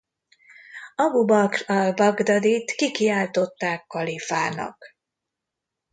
Abu Bakr al-Bagdadit kikiáltották kalifának.